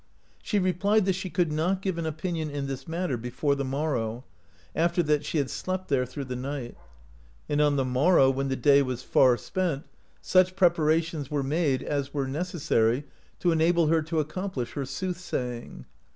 She replied 37 AMERICA DISCOVERED BY NORSEMEN that she could not give an opinion in this matter before the morrow, after that she had slept there through the night. And on the morrow, when the day was far ^ent, such preparations were made as were necessary to enable her to accomplish her soothsaying.